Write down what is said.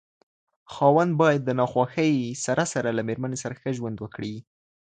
خاوند بايد د ناخوښۍ سره سره له ميرمني سره ښه ژوند وکړي